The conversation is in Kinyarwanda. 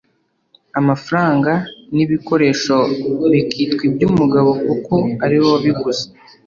amafranga nibikoresho bikitwa iby’umugabo kuko ariwe wabiguze